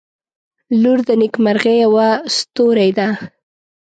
• لور د نیکمرغۍ یوه ستوری ده.